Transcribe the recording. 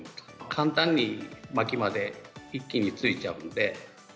簡単に、まきまで一気についちゃうので。